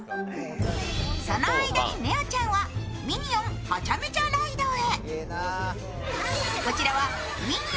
その間に、ねおちゃんは「ミニオン・ハチャメチャ・ライド」へ。